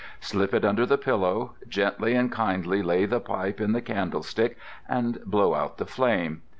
Slip it under the pillow; gently and kindly lay the pipe in the candlestick, and blow out the flame.